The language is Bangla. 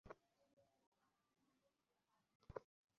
উদ্ভিদেও এক বিশেষ ধরনের প্রোটিন রয়েছে যারজন্য ফলে অ্যালার্জি হয়।